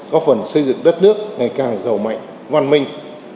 góp phần xây dựng đất nước ngày càng giàu mạnh văn minh